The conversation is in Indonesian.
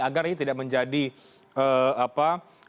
agar ini tidak menjadi apa